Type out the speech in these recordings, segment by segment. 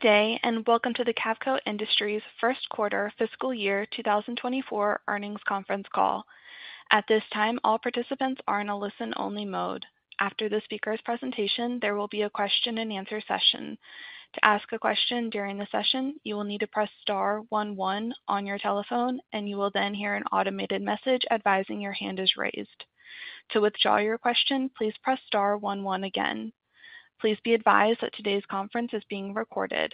Good day, and welcome to the Cavco Industries Q1 fiscal year 2024 earnings conference call. At this time, all participants are in a listen-only mode. After the speaker's presentation, there will be a question-and-answer session. To ask a question during the session, you will need to press star one one on your telephone, and you will then hear an automated message advising your hand is raised. To withdraw your question, please press star one one again. Please be advised that today's conference is being recorded.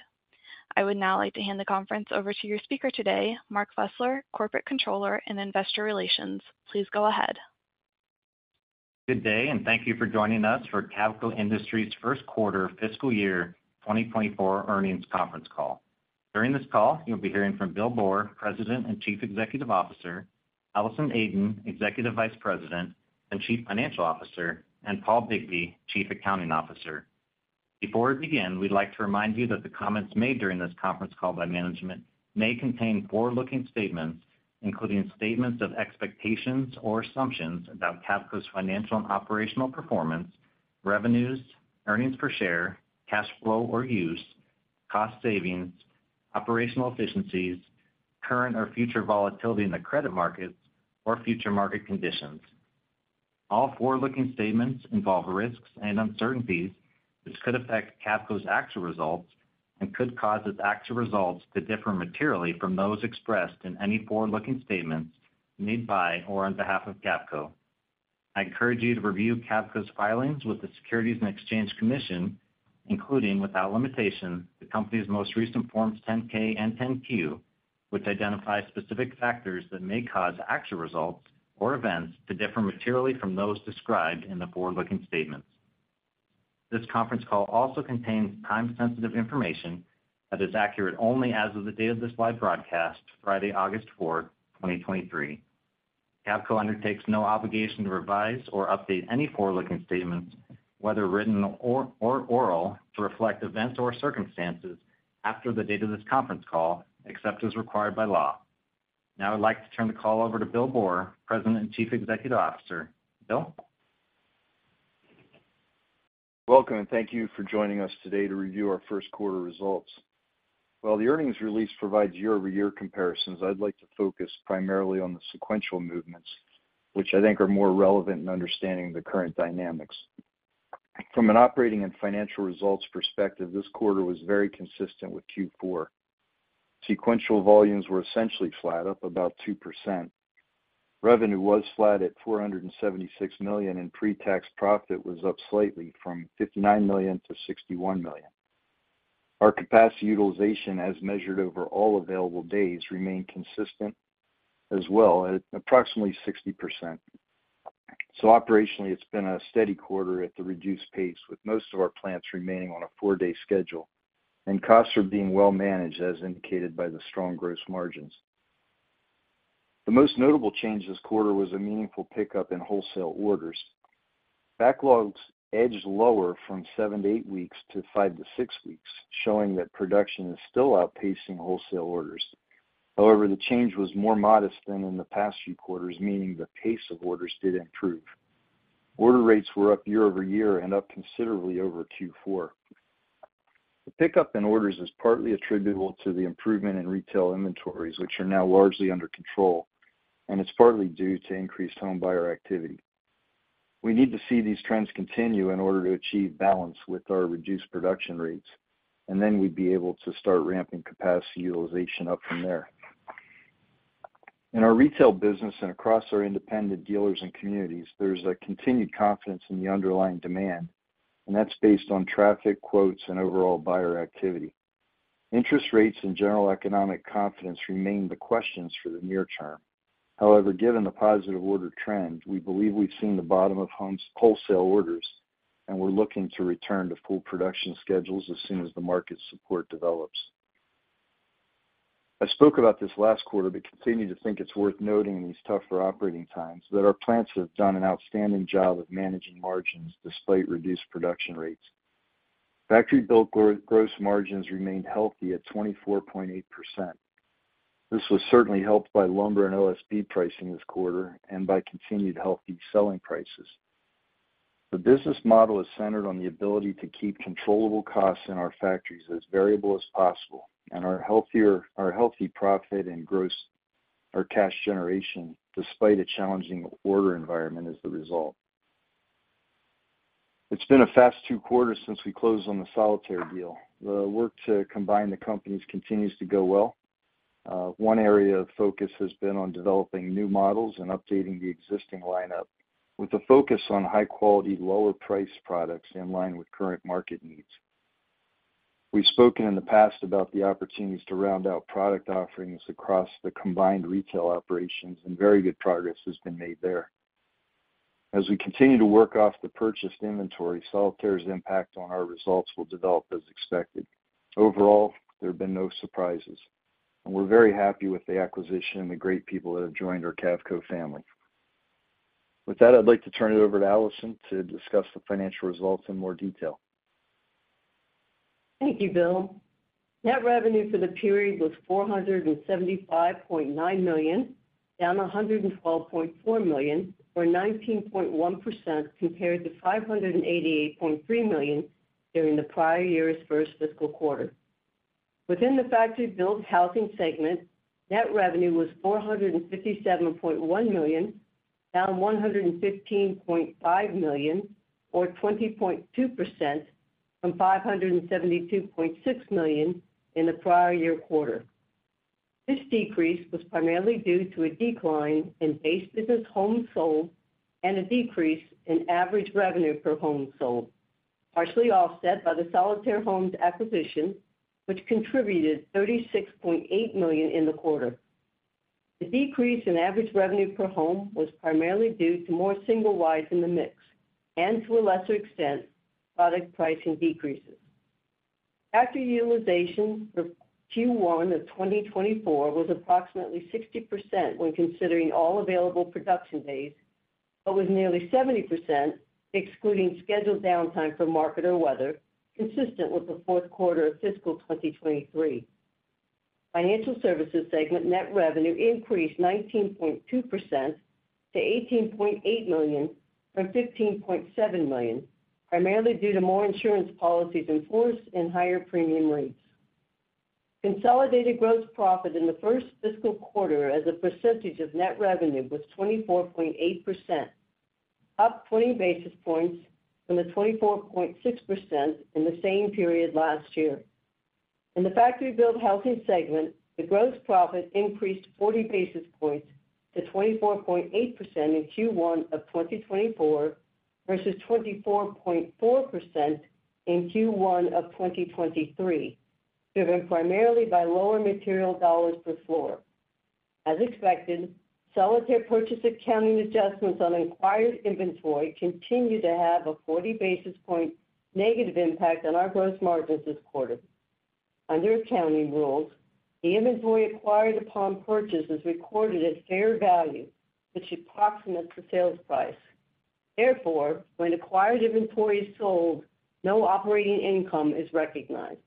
I would now like to hand the conference over to your speaker today, Mark Fusler, Corporate Controller and Investor Relations. Please go ahead. Good day. Thank you for joining us for Cavco Industries Q1 fiscal year 2024 earnings conference call. During this call, you'll be hearing from Bill Boor, President and Chief Executive Officer, Allison Aden, Executive Vice President and Chief Financial Officer, and Paul Bigbee, Chief Accounting Officer. Before we begin, we'd like to remind you that the comments made during this conference call by management may contain forward-looking statements, including statements of expectations or assumptions about Cavco's financial and operational performance, revenues, earnings per share, cash flow or use, cost savings, operational efficiencies, current or future volatility in the credit markets, or future market conditions. All forward-looking statements involve risks and uncertainties, which could affect Cavco's actual results and could cause its actual results to differ materially from those expressed in any forward-looking statements made by or on behalf of Cavco. I encourage you to review Cavco's filings with the Securities and Exchange Commission, including, without limitation, the company's most recent Forms 10-K and 10-Q, which identify specific factors that may cause actual results or events to differ materially from those described in the forward-looking statements. This conference call also contains time-sensitive information that is accurate only as of the date of this live broadcast, Friday, August 4th, 2023. Cavco undertakes no obligation to revise or update any forward-looking statements, whether written or oral, to reflect events or circumstances after the date of this conference call, except as required by law. I'd like to turn the call over to Bill Boor, President and Chief Executive Officer. Bill? Welcome, and thank you for joining us today to review our Q1 results. While the earnings release provides year-over-year comparisons, I'd like to focus primarily on the sequential movements, which I think are more relevant in understanding the current dynamics. From an operating and financial results perspective, this quarter was very consistent with Q4. Sequential volumes were essentially flat, up about 2%. Revenue was flat at $476 million, and pre-tax profit was up slightly from $59 million to $61 million. Our capacity utilization, as measured over all available days, remained consistent as well, at approximately 60%. Operationally, it's been a steady quarter at the reduced pace, with most of our plants remaining on a four-day schedule, and costs are being well managed, as indicated by the strong gross margins. The most notable change this quarter was a meaningful pickup in wholesale orders. Backlogs edged lower from seven to eight weeks to five to six weeks, showing that production is still outpacing wholesale orders. However, the change was more modest than in the past few quarters, meaning the pace of orders did improve. Order rates were up year-over-year and up considerably over Q4. The pickup in orders is partly attributable to the improvement in retail inventories, which are now largely under control, and it's partly due to increased homebuyer activity. We need to see these trends continue in order to achieve balance with our reduced production rates, and then we'd be able to start ramping capacity utilization up from there. In our retail business and across our independent dealers and communities, there's a continued confidence in the underlying demand, and that's based on traffic, quotes, and overall buyer activity. Interest rates and general economic confidence remain the questions for the near term. Given the positive order trend, we believe we've seen the bottom of wholesale orders, and we're looking to return to full production schedules as soon as the market support develops. I spoke about this last quarter, continue to think it's worth noting in these tougher operating times that our plants have done an outstanding job of managing margins despite reduced production rates. Factory-Built gross margins remained healthy at 24.8%. This was certainly helped by lumber and OSB pricing this quarter and by continued healthy selling prices. The business model is centered on the ability to keep controllable costs in our factories as variable as possible, our healthy profit and cash generation, despite a challenging order environment, is the result. It's been a fast two quarters since we closed on the Solitaire deal. The work to combine the companies continues to go well. One area of focus has been on developing new models and updating the existing lineup with a focus on high-quality, lower-priced products in line with current market needs. We've spoken in the past about the opportunities to round out product offerings across the combined retail operations, and very good progress has been made there. As we continue to work off the purchased inventory, Solitaire's impact on our results will develop as expected. Overall, there have been no surprises, and we're very happy with the acquisition and the great people that have joined our Cavco family. With that, I'd like to turn it over to Allison to discuss the financial results in more detail. Thank you, Bill. Net revenue for the period was $475.9 million down $112.4 million, or 19.1% compared to $588.3 million during the prior year's 1st fiscal quarter. Within the Factory-Built Housing segment, net revenue was $457.1 million, down $115.5 million, or 20.2%, from $572.6 million in the prior year quarter. This decrease was primarily due to a decline in base business homes sold and a decrease in average revenue per home sold, partially offset by the Solitaire Homes acquisition, which contributed $36.8 million in the quarter. The decrease in average revenue per home was primarily due to more single-wides in the mix and, to a lesser extent, product pricing decreases. After utilization for Q1 of 2024 was approximately 60% when considering all available production days, but was nearly 70%, excluding scheduled downtime for market or weather, consistent with the Q4 of fiscal 2023. Financial Services segment net revenue increased 19.2% to $18.8 million from $15.7 million, primarily due to more insurance policies in force and higher premium rates. Consolidated gross profit in the first fiscal quarter as a percentage of net revenue was 24.8%, up 20 basis points from the 24.6% in the same period last year. In the Factory-Built Housing segment, the gross profit increased 40 basis points to 24.8% in Q1 of 2024, versus 24.4% in Q1 of 2023, driven primarily by lower material dollars per floor. As expected, Solitaire purchase accounting adjustments on acquired inventory continue to have a 40 basis point negative impact on our gross margins this quarter. Under accounting rules, the inventory acquired upon purchase is recorded at fair value, which approximates the sales price. Therefore, when acquired inventory is sold, no operating income is recognized.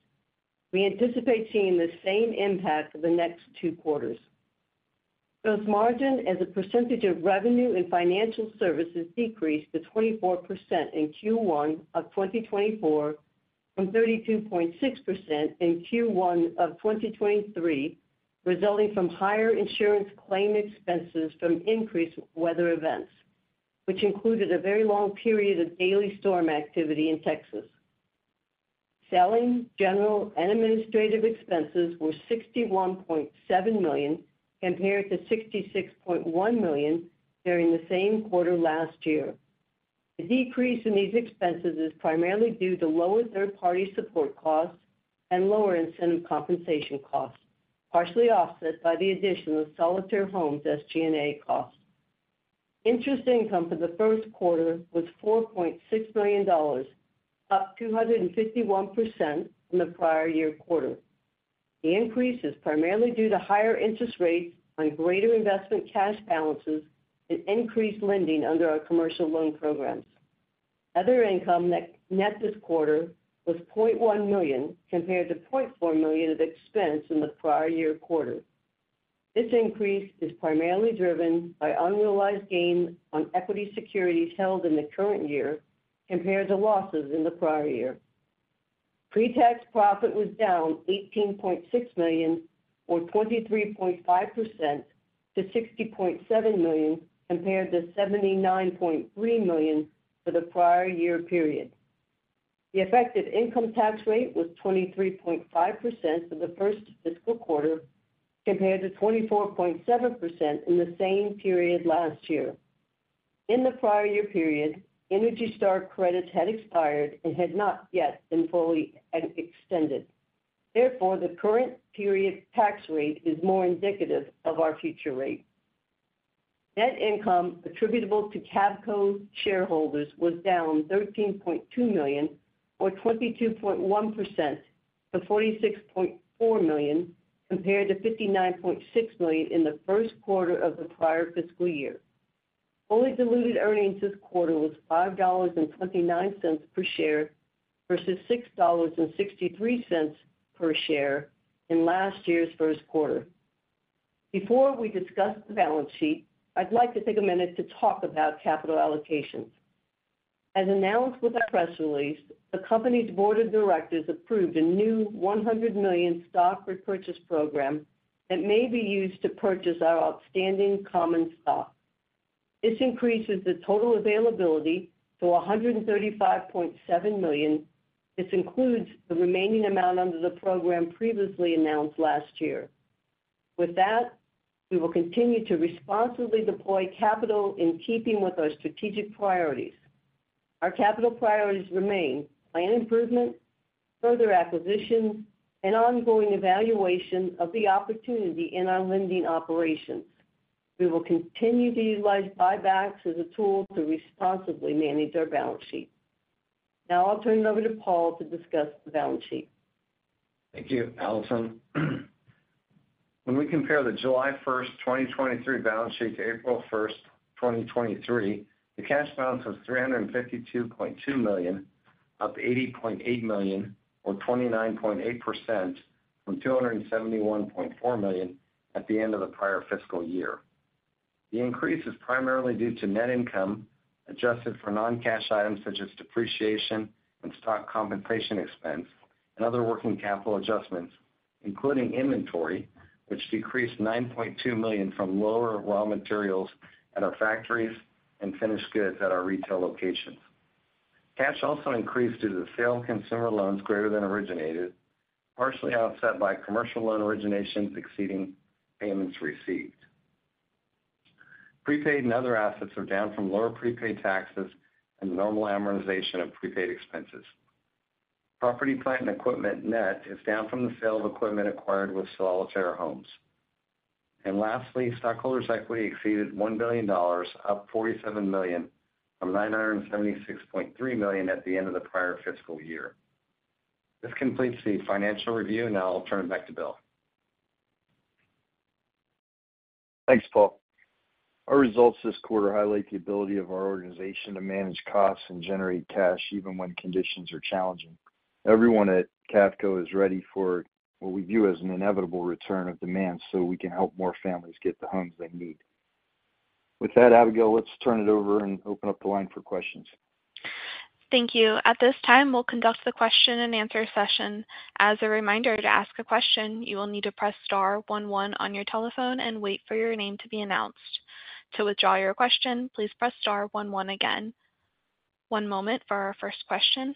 We anticipate seeing the same impact for the next 2 quarters. Gross margin as a percentage of revenue in financial services decreased to 24% in Q1 of 2024, from 32.6% in Q1 of 2023, resulting from higher insurance claim expenses from increased weather events, which included a very long period of daily storm activity in Texas. Selling, general and administrative expenses were $61.7 million, compared to $66.1 million during the same quarter last year. The decrease in these expenses is primarily due to lower third-party support costs and lower incentive compensation costs, partially offset by the addition of Solitaire Homes SG&A costs. Interest income for the Q1 was $4.6 million, up 251% from the prior year quarter. The increase is primarily due to higher interest rates on greater investment cash balances and increased lending under our commercial loan programs. Other income net, this quarter was $0.1 million, compared to $0.4 million of expense in the prior year quarter. This increase is primarily driven by unrealized gains on equity securities held in the current year, compared to losses in the prior year. Pre-tax profit was down $18.6 million, or 23.5% to $60.7 million, compared to $79.3 million for the prior year period. The effective income tax rate was 23.5% for the first fiscal quarter, compared to 24.7% in the same period last year. In the prior year period, Energy Star credits had expired and had not yet been fully extended. Therefore, the current period tax rate is more indicative of our future rate. Net income attributable to Cavco shareholders was down $13.2 million, or 22.1%, to $46.4 million, compared to $59.6 million in the Q1 of the prior fiscal year. Fully diluted earnings this quarter was $5.29 per share, versus $6.63 per share in last year's Q1. Before we discuss the balance sheet, I'd like to take a minute to talk about capital allocations. As announced with our press release, the company's board of directors approved a new $100 million stock repurchase program that may be used to purchase our outstanding common stock. This increases the total availability to $135.7 million. This includes the remaining amount under the program previously announced last year. With that, we will continue to responsibly deploy capital in keeping with our strategic priorities. Our capital priorities remain land improvement, further acquisitions, and ongoing evaluation of the opportunity in our lending operations. We will continue to utilize buybacks as a tool to responsibly manage our balance sheet. Now I'll turn it over to Paul to discuss the balance sheet. Thank you, Allison. When we compare the July 1st, 2023 balance sheet to April 1st, 2023, the cash balance was $352.2 million up $80.8 million, or 29.8%, from $271.4 million at the end of the prior fiscal year. The increase is primarily due to net income adjusted for non-cash items such as depreciation and stock compensation expense and other working capital adjustments, including inventory, which decreased $9.2 million from lower raw materials at our factories and finished goods at our retail locations. Cash also increased due to the sale of consumer loans greater than originated, partially offset by commercial loan originations exceeding payments received. Prepaid and other assets are down from lower prepaid taxes and the normal amortization of prepaid expenses. Property, plant and equipment net is down from the sale of equipment acquired with Solitaire Homes. Lastly, stockholders' equity exceeded $1 billion, up $47 million from $976.3 million at the end of the prior fiscal year. This completes the financial review. Now I'll turn it back to Bill. Thanks, Paul. Our results this quarter highlight the ability of our organization to manage costs and generate cash even when conditions are challenging. Everyone at Cavco is ready for what we view as an inevitable return of demand, so we can help more families get the homes they need. With that, Abigail, let's turn it over and open up the line for questions. Thank you. At this time, we'll conduct the question and answer session. As a reminder, to ask a question, you will need to press star one one on your telephone and wait for your name to be announced. To withdraw your question, please press star one one again. One moment for our first question.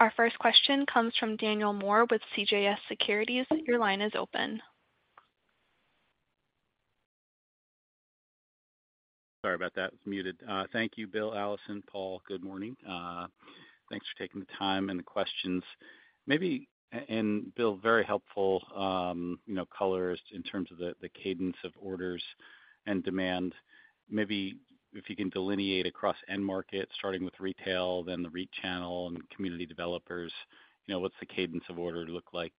Our first question comes from Daniel Moore with CJS Securities. Your line is open. Sorry about that. It was muted. Thank you, Bill, Allison, Paul. Good morning. Thanks for taking the time and the questions. Maybe, and Bill, very helpful, you know, colors in terms of the cadence of orders and demand. Maybe if you can delineate across end markets, starting with retail, then the REIT channel and community developers, you know, what's the cadence of order look like,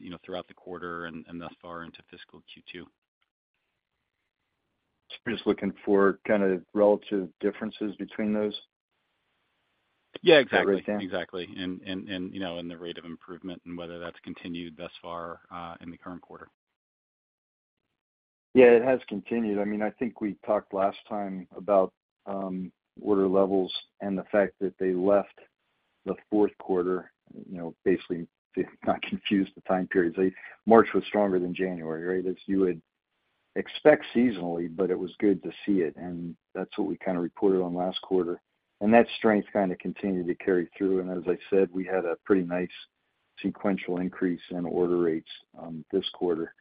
you know, throughout the quarter and, and thus far into fiscal Q2? You're just looking for kind of relative differences between those? Yeah, exactly. I understand. Exactly. And, and, and, you know, and the rate of improvement and whether that's continued thus far, in the current quarter. Yeah, it has continued. I mean, I think we talked last time about, order levels and the fact that they left the Q4, you know, basically, not confuse the time periods. March was stronger than January, right? As you would expect seasonally, but it was good to see it, and that's what we kind of reported on last quarter. That strength kind of continued to carry through, and as I said, we had a pretty nice sequential increase in order rates, this quarter.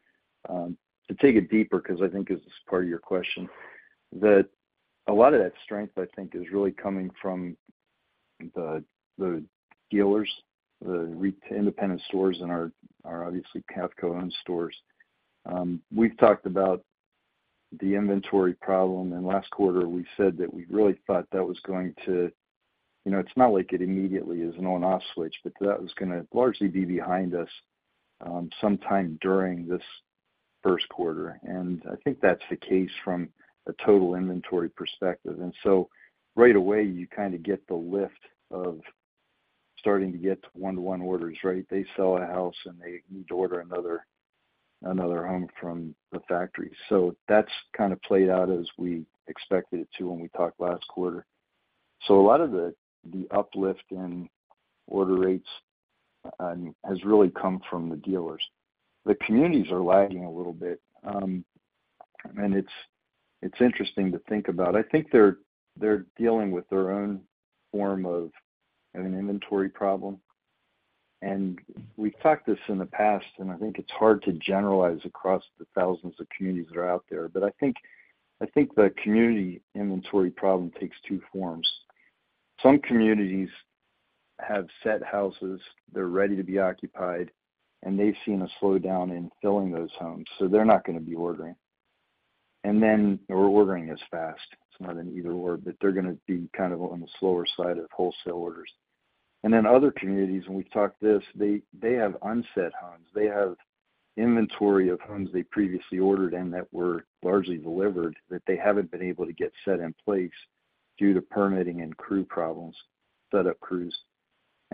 To take it deeper, because I think this is part of your question, that a lot of that strength, I think, is really coming from the, the dealers, the independent stores and our, our obviously Cavco-owned stores. We've talked about the inventory problem, and last quarter, we said that we really thought that was going to... You know, it's not like it immediately is an on/off switch, but that was gonna largely be behind us sometime during this Q1. I think that's the case from a total inventory perspective. Right away, you kind of get the lift of starting to get to one-to-one orders, right? They sell a house, and they need to order another, another home from the factory. That's kind of played out as we expected it to when we talked last quarter. A lot of the, the uplift in order rates has really come from the dealers. The communities are lagging a little bit, and it's, it's interesting to think about. I think they're, they're dealing with their own form of an inventory problem. We've talked this in the past, and I think it's hard to generalize across the thousands of communities that are out there, but I think, I think the community inventory problem takes two forms. Some communities have set houses, they're ready to be occupied, and they've seen a slowdown in filling those homes, so they're not going to be ordering. Then we're ordering as fast. It's not an either/or, but they're going to be kind of on the slower side of wholesale orders. Then other communities, and we've talked this, they have unset homes. They have inventory of homes they previously ordered and that were largely delivered, that they haven't been able to get set in place due to permitting and crew problems, set up crews.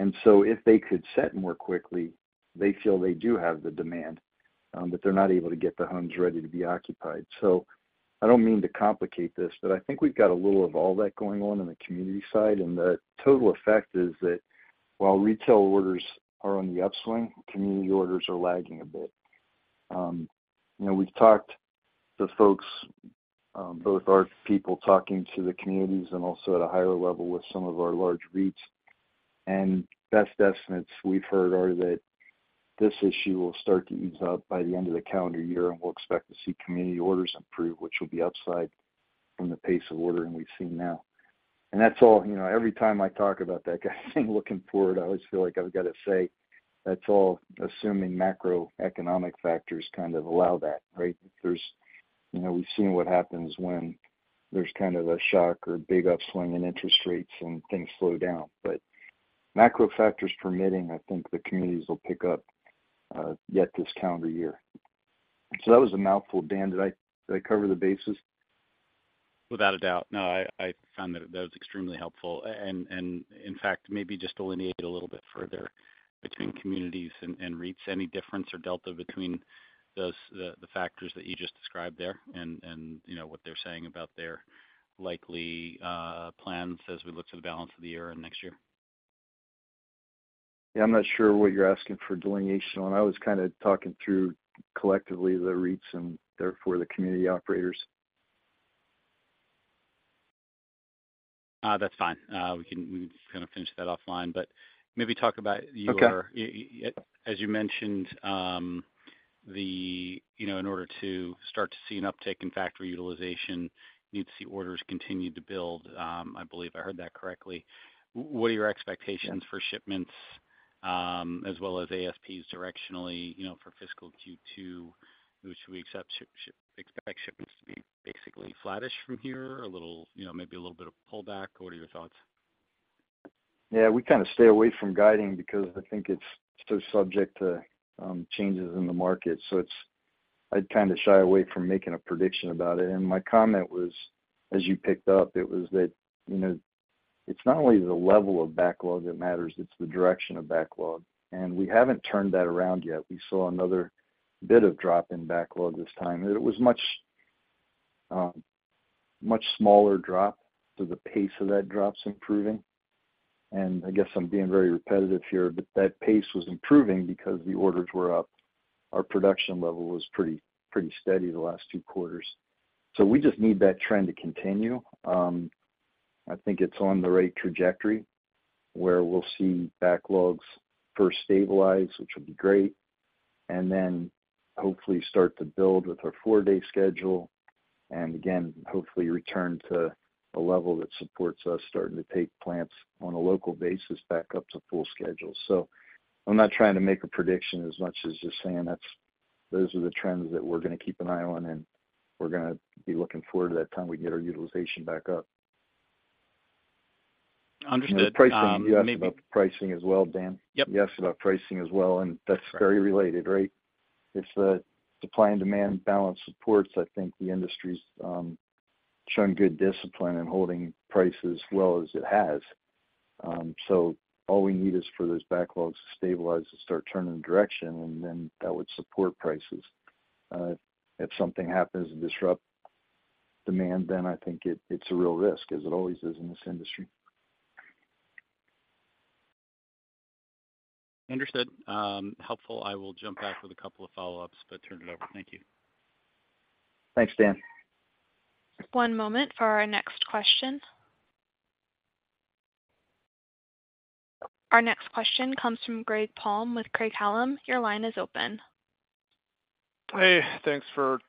If they could set more quickly, they feel they do have the demand, but they're not able to get the homes ready to be occupied. I don't mean to complicate this, but I think we've got a little of all that going on in the community side. The total effect is that while retail orders are on the upswing, community orders are lagging a bit. You know, we've talked to folks, both our people talking to the communities and also at a higher level with some of our large REITs, and best estimates we've heard are that this issue will start to ease up by the end of the calendar year, and we'll expect to see community orders improve, which will be upside from the pace of ordering we've seen now. That's all... You know, every time I talk about that, looking forward, I always feel like I've got to say, that's all assuming macroeconomic factors kind of allow that, right? There's, you know, we've seen what happens when there's kind of a shock or big upswing in interest rates and things slow down. Macro factors permitting, I think the communities will pick up yet this calendar year. That was a mouthful, Dan. Did I, did I cover the bases? Without a doubt. No, I, I found that, that was extremely helpful. In fact, maybe just delineate a little bit further between communities and REITs, any difference or delta between those, the, the factors that you just described there, and, you know, what they're saying about their likely plans as we look to the balance of the year and next year? Yeah, I'm not sure what you're asking for delineation on. I was kind of talking through collectively the REITs and therefore the community operators. That's fine. We kind of finish that offline, maybe talk about. Okay. as you mentioned, the, you know, in order to start to see an uptick in factory utilization, you need to see orders continue to build, I believe I heard that correctly. What are your expectations for shipments, as well as ASPs directionally, you know, for fiscal Q2? Should we accept expect shipments to be basically flattish from here, a little, you know, maybe a little bit of pullback? What are your thoughts? Yeah, we kind of stay away from guiding because I think it's still subject to changes in the market. I'd kind of shy away from making a prediction about it. My comment was, as you picked up, it was that, you know, it's not only the level of backlog that matters, it's the direction of backlog, and we haven't turned that around yet. We saw another bit of drop in backlog this time. It was much, much smaller drop to the pace of that drop's improving. I guess I'm being very repetitive here, but that pace was improving because the orders were up. Our production level was pretty, pretty steady the last two quarters. We just need that trend to continue. I think it's on the right trajectory, where we'll see backlogs first stabilize, which will be great, and then hopefully start to build with our four-day schedule. Again, hopefully return to a level that supports us starting to take plants on a local basis back up to full schedule. I'm not trying to make a prediction as much as just saying that's, those are the trends that we're gonna keep an eye on, and we're gonna be looking forward to that time we get our utilization back up. Understood. You asked about pricing as well, Dan. Yep. You asked about pricing as well, and that's very related, right? If the supply and demand balance supports, I think the industry's shown good discipline in holding prices as well as it has. All we need is for those backlogs to stabilize and start turning direction, and then that would support prices. If something happens to disrupt demand, then I think it, it's a real risk, as it always is in this industry. Understood. helpful. I will jump back with a couple of follow-ups, but turn it over. Thank you. Thanks, Dan. One moment for our next question. Our next question comes from Greg Palm with Craig-Hallum. Your line is open. Hey, thanks for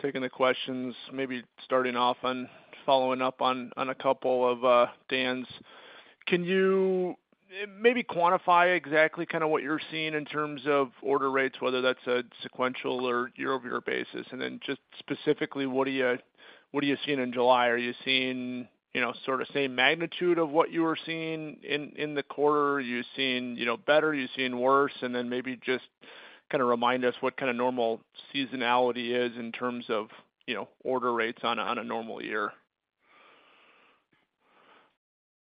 taking the questions. Maybe starting off on following up on, on a couple of, Dan's. Can you maybe quantify exactly kind of what you're seeing in terms of order rates, whether that's a sequential or year-over-year basis? Then just specifically, what are you, what are you seeing in July? Are you seeing, you know, sort of same magnitude of what you were seeing in, in the quarter? Are you seeing, you know, better? Are you seeing worse? Then maybe just kind of remind us what kind of normal seasonality is in terms of, you know, order rates on a, on a normal year?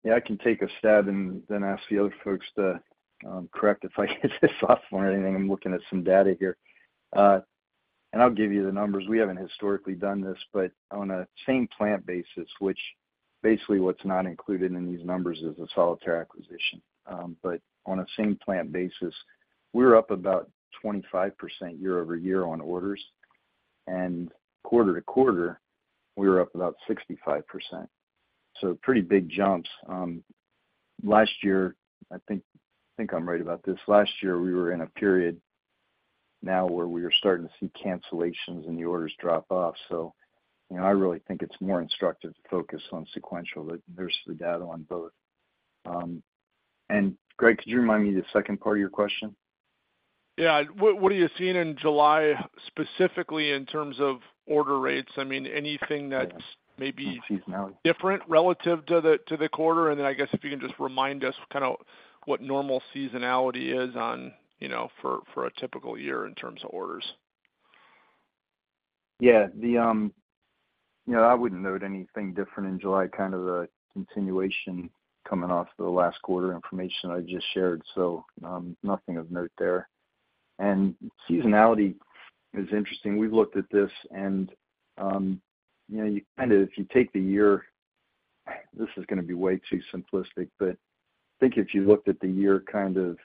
Yeah, I can take a stab and then ask the other folks to correct if I get this off on anything. I'm looking at some data here. I'll give you the numbers. We haven't historically done this, on a same plant basis, which basically what's not included in these numbers is a Solitaire acquisition. On a same plant basis, we're up about 25% year-over-year on orders, and quarter-to-quarter, we were up about 65%. Pretty big jumps. Last year, I think, I think I'm right about this, last year, we were in a period now where we were starting to see cancellations and the orders drop off. You know, I really think it's more instructive to focus on sequential, but there's the data on both. Greg, could you remind me the second part of your question? Yeah. What are you seeing in July, specifically in terms of order rates? I mean, anything that's- Yeah. -maybe- Seasonality Different relative to the, to the quarter? I guess if you can just remind us kind of what normal seasonality is on, you know, for, for a typical year in terms of orders. Yeah, the you know, I wouldn't note anything different in July, kind of the continuation coming off the last quarter information I just shared, so, nothing of note there. Seasonality is interesting. We've looked at this, and, you know, you kind of if you take the year, this is gonna be way too simplistic, but I think if you looked at the year, kind of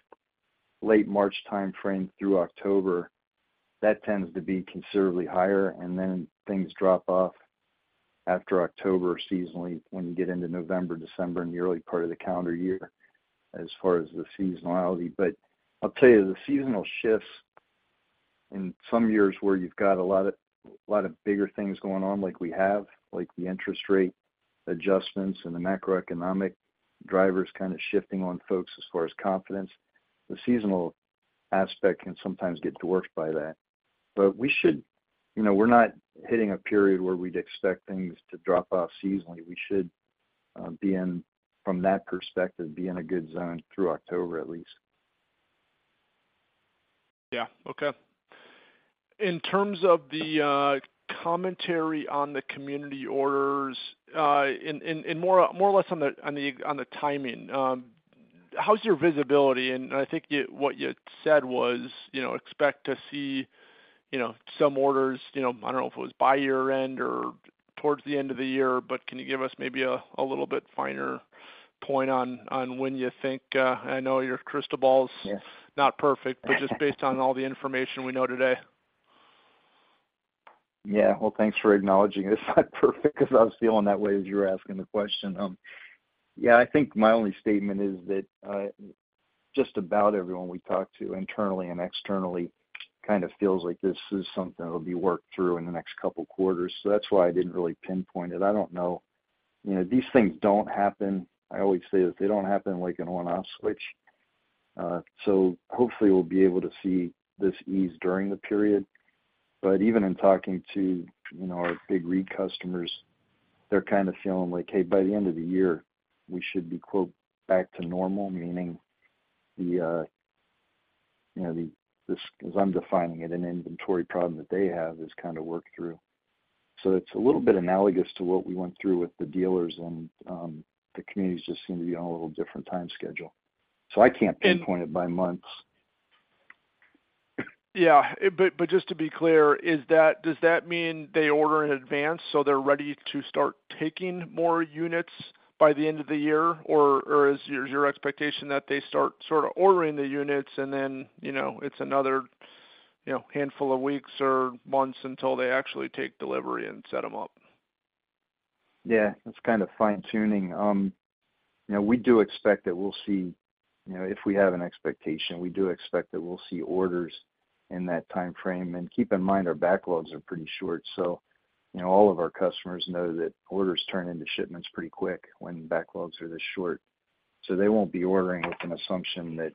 late March timeframe through October, that tends to be considerably higher, and then things drop off after October seasonally, when you get into November, December, and the early part of the calendar year, as far as the seasonality. I'll tell you, the seasonal shifts in some years where you've got a lot of, lot of bigger things going on, like we have, like the interest rate adjustments and the macroeconomic drivers kind of shifting on folks as far as confidence, the seasonal aspect can sometimes get dwarfed by that. We should. You know, we're not hitting a period where we'd expect things to drop off seasonally. We should be in, from that perspective, be in a good zone through October, at least. Yeah. Okay. In terms of the commentary on the community orders, and, and, and more, more or less on the, on the, on the timing, how's your visibility? I think what you said was, you know, expect to see, you know, some orders, you know, I don't know if it was by year-end or towards the end of the year, but can you give us maybe a, a little bit finer point on, on when you think? I know your crystal ball's. Yes not perfect, but just based on all the information we know today. Yeah. Well, thanks for acknowledging it's not perfect because I was feeling that way as you were asking the question. Yeah, I think my only statement is that just about everyone we talk to internally and externally kind of feels like this is something that'll be worked through in the next couple quarters. That's why I didn't really pinpoint it. I don't know. You know, these things don't happen... I always say that they don't happen like in one off switch. Hopefully we'll be able to see this ease during the period. Even in talking to, you know, our big REIT customers, they're kind of feeling like, "Hey, by the end of the year, we should be, quote, back to normal," meaning this, as I'm defining it, an inventory problem that they have is kind of worked through. It's a little bit analogous to what we went through with the dealers, and, the communities just seem to be on a little different time schedule. I can't pinpoint it by months. Yeah. But just to be clear, does that mean they order in advance, so they're ready to start taking more units by the end of the year? Or is your, your expectation that they start sort of ordering the units and then, you know, it's another, you know, handful of weeks or months until they actually take delivery and set them up? Yeah, it's kind of fine-tuning. You know, we do expect that we'll see, you know, if we have an expectation, we do expect that we'll see orders in that timeframe. Keep in mind, our backlogs are pretty short. You know, all of our customers know that orders turn into shipments pretty quick when backlogs are this short. They won't be ordering with an assumption that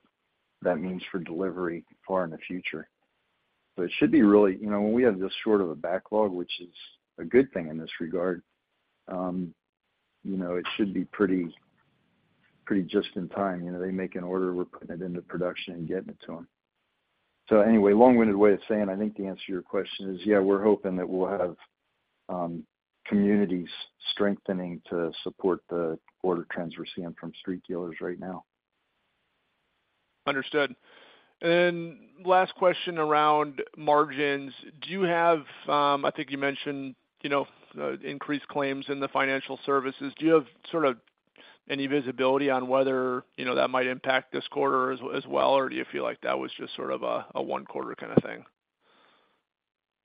that means for delivery far in the future. It should be really. You know, when we have this short of a backlog, which is a good thing in this regard, you know, it should be pretty, pretty just in time. You know, they make an order, we're putting it into production and getting it to them. Anyway, long-winded way of saying, I think the answer to your question is, yeah, we're hoping that we'll have communities strengthening to support the order trends we're seeing from street dealers right now. Understood. Last question around margins. I think you mentioned, you know, increased claims in the Financial Services. Do you have sort of any visibility on whether, you know, that might impact this quarter as well, or do you feel like that was just sort of a, a one quarter kind of thing?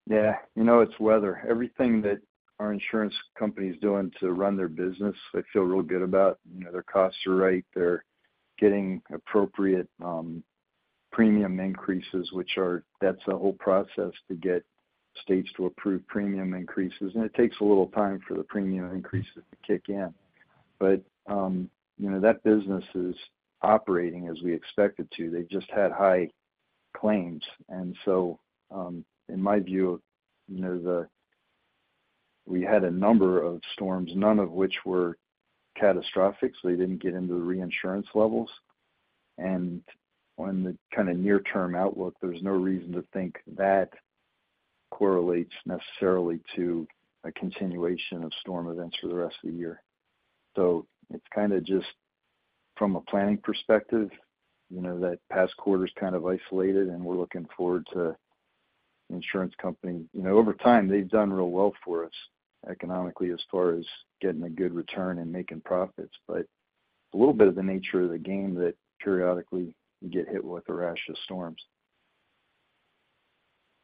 Yeah. You know, it's weather. Everything that our insurance company is doing to run their business, they feel real good about. You know, their costs are right. They're getting appropriate, premium increases, which are, that's a whole process to get states to approve premium increases, and it takes a little time for the premium increases to kick in. You know, that business is operating as we expect it to. They just had high claims. In my view, you know, the, we had a number of storms, none of which were catastrophic, so they didn't get into the reinsurance levels. On the kind of near-term outlook, there's no reason to think that correlates necessarily to a continuation of storm events for the rest of the year. It's kind of just from a planning perspective, you know, that past quarter is kind of isolated, and we're looking forward to the insurance company. You know, over time, they've done real well for us economically as far as getting a good return and making profits, but a little bit of the nature of the game that periodically you get hit with a rash of storms.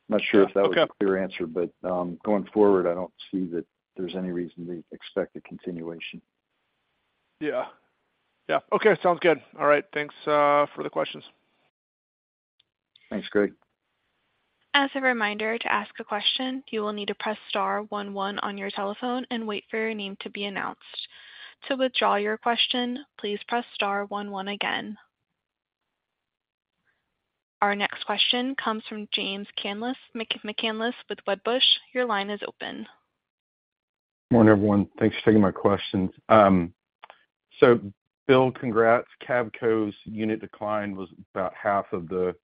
Not sure if that was a clear answer. Going forward, I don't see that there's any reason to expect a continuation. Yeah. Yeah. Okay, sounds good. All right. Thanks for the questions. Thanks, Greg. As a reminder, to ask a question, you will need to press star one one on your telephone and wait for your name to be announced. To withdraw your question, please press star one one again. Our next question comes from Jay McCanless, McCanless with Wedbush. Your line is open. Morning, everyone. Thanks for taking my questions. Bill, congrats. Cavco's unit decline was about half of the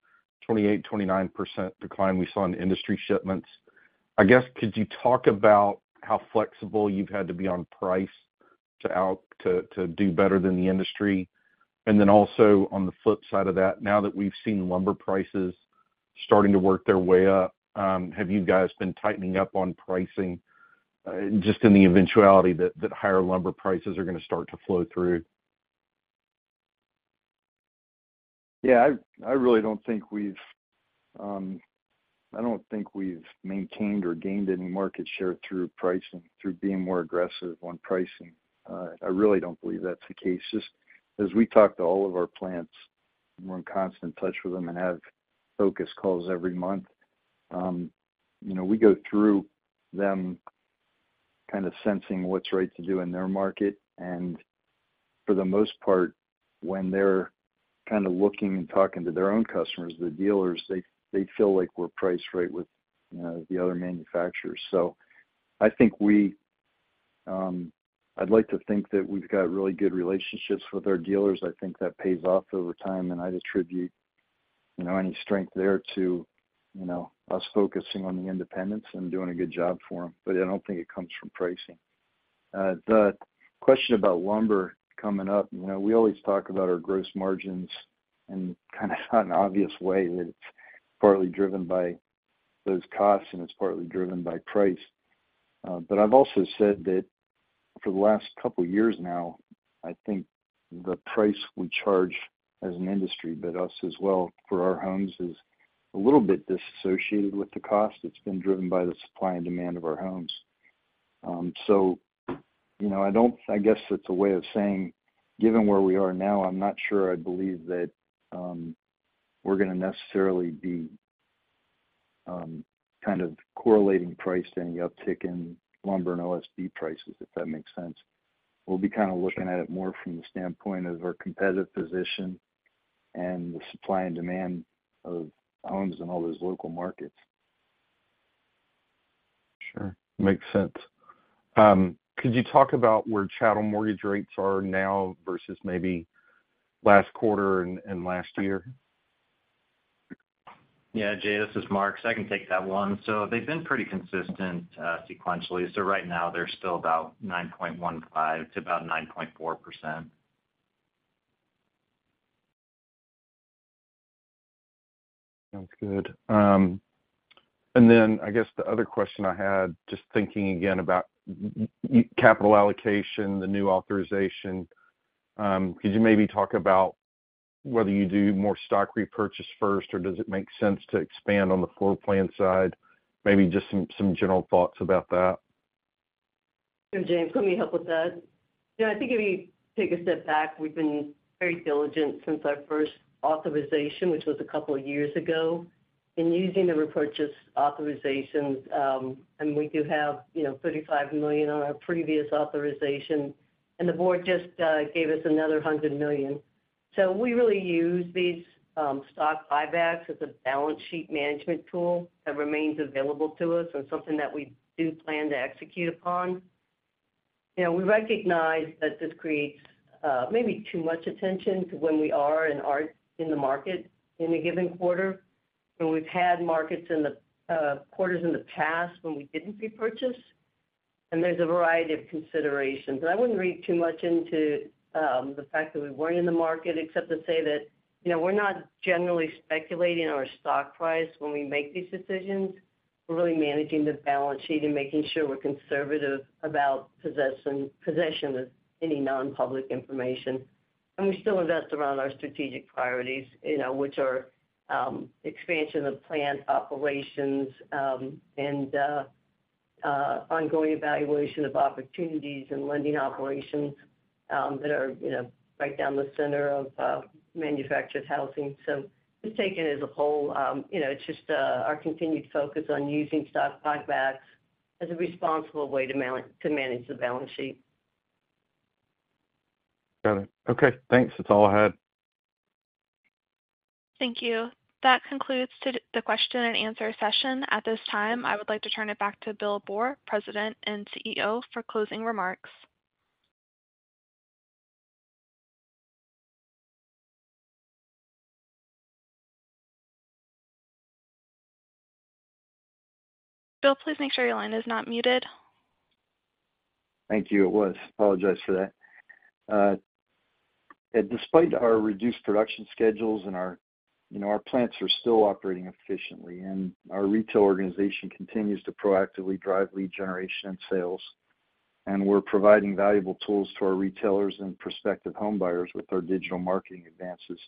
28%-29% decline we saw in industry shipments. I guess, could you talk about how flexible you've had to be on price to out-- to, to do better than the industry? Then also, on the flip side of that, now that we've seen lumber prices starting to work their way up, have you guys been tightening up on pricing, just in the eventuality that, that higher lumber prices are going to start to flow through? Yeah, I, I really don't think we've, I don't think we've maintained or gained any market share through pricing, through being more aggressive on pricing. I really don't believe that's the case. Just as we talk to all of our plants, we're in constant touch with them and have focus calls every month. You know, we go through them kind of sensing what's right to do in their market. For the most part, when they're kind of looking and talking to their own customers, the dealers, they, they feel like we're priced right with, you know, the other manufacturers. I think we, I'd like to think that we've got really good relationships with our dealers. I think that pays off over time, and I'd attribute, you know, any strength there to, you know, us focusing on the independents and doing a good job for them. I don't think it comes from pricing. The question about lumber coming up, you know, we always talk about our gross margins in kind of an obvious way, that it's partly driven by those costs, and it's partly driven by price. I've also said that for the last couple of years now, I think the price we charge as an industry, but us as well for our homes, is a little bit disassociated with the cost. It's been driven by the supply and demand of our homes. You know, I don't- I guess it's a way of saying, given where we are now, I'm not sure I believe that, we're going to necessarily be, kind of correlating price to any uptick in lumber and OSB prices, if that makes sense. We'll be kind of looking at it more from the standpoint of our competitive position and the supply and demand of homes in all those local markets. Sure. Makes sense. Could you talk about where chattel mortgage rates are now versus maybe last quarter and, and last year? Yeah, Jay, this is Mark. I can take that one. They've been pretty consistent sequentially. Right now, they're still about 9.15% to about 9.4%. Sounds good. I guess the other question I had, just thinking again about capital allocation, the new authorization, could you maybe talk about whether you do more stock repurchase first, or does it make sense to expand on the floor plan side? Maybe just some, some general thoughts about that. Sure, James, let me help with that. You know, I think if you take a step back, we've been very diligent since our first authorization, which was a couple of years ago, in using the repurchase authorizations, and we do have, you know, $35 million on our previous authorization, and the board just gave us another $100 million. We really use these, stock buybacks as a balance sheet management tool that remains available to us and something that we do plan to execute upon. You know, we recognize that this creates, maybe too much attention to when we are and aren't in the market in a given quarter, when we've had markets in the, quarters in the past when we didn't repurchase, and there's a variety of considerations. I wouldn't read too much into the fact that we weren't in the market, except to say that, you know, we're not generally speculating on our stock price when we make these decisions. We're really managing the balance sheet and making sure we're conservative about possession of any non-public information. We still invest around our strategic priorities, you know, which are expansion of plant operations, and ongoing evaluation of opportunities and lending operations, that are, you know, right down the center of manufactured housing. Just take it as a whole, you know, it's just our continued focus on using stock buybacks as a responsible way to manage the balance sheet. Got it. Okay, thanks. That's all I had. Thank you. That concludes the question and answer session. At this time, I would like to turn it back to Bill Boor, President and CEO, for closing remarks. Bill, please make sure your line is not muted. Thank you. It was. Apologize for that. Despite our reduced production schedules and our, you know, our plants are still operating efficiently, and our retail organization continues to proactively drive lead generation and sales, and we're providing valuable tools to our retailers and prospective homebuyers with our digital marketing advances.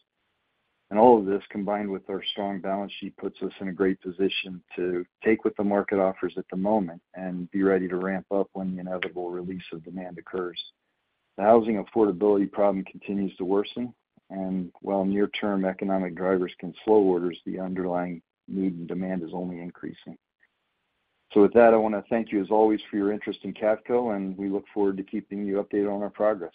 All of this, combined with our strong balance sheet, puts us in a great position to take what the market offers at the moment and be ready to ramp up when the inevitable release of demand occurs. The housing affordability problem continues to worsen, and while near-term economic drivers can slow orders, the underlying need and demand is only increasing. With that, I want to thank you, as always, for your interest in Cavco, and we look forward to keeping you updated on our progress.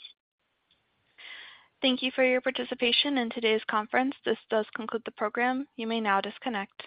Thank you for your participation in today's conference. This does conclude the program. You may now disconnect.